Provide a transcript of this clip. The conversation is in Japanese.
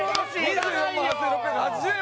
２４万８６８０円